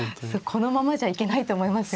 このままじゃいけないと思いますよね。